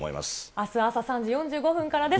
あす朝３時４５分からです。